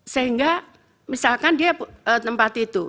sehingga misalkan dia tempat itu